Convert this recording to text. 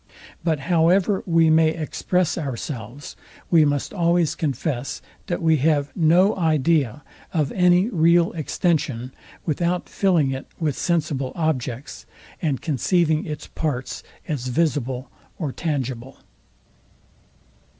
But however we may express ourselves, we must always confess, that we have no idea of any real extension without filling it with sensible objects, and conceiving its parts as visible or tangible.